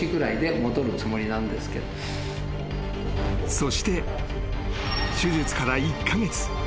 ［そして手術から１カ月。